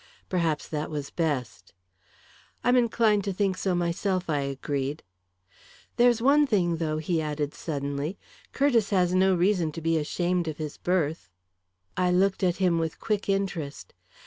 "Perhaps that was best." "I'm inclined to think so myself," I agreed. "There's one thing, though," he added suddenly. "Curtiss has no reason to be ashamed of his birth." I looked at him with quick interest.